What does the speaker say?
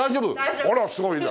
あらすごいな。